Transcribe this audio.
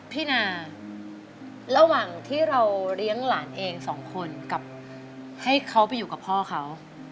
พี่นาระหว่างที่เราเลี้ยงหลานเองสองคนกับให้เขาไปอยู่กับพ่อเขา